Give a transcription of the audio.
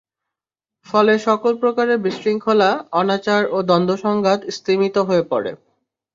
ফলে সকল প্রকারের বিশৃংখলা, অনাচার ও দ্বন্দ্ব-সংঘাত স্তিমিত হয়ে পড়ে।